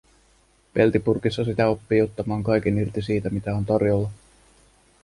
Peltipurkissa sitä oppii ottamaan kaiken irti siitä, mitä on tarjolla.